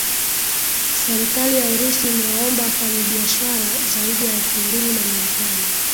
serikali ya urusi imewaomba wafanyibishara zaidi ya elfu mbili na mia tano